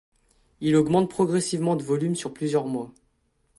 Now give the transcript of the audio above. Il augmente progressivement de volume sur plusieurs mois.